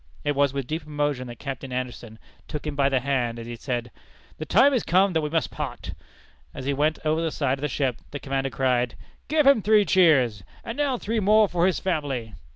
It was with deep emotion that Captain Anderson took him by the hand, as he said, "The time is come that we must part." As he went over the side of the ship, the commander cried, "Give him three cheers!" "And now three more for his family!"